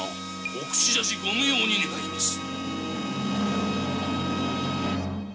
・お口出し無用に願います。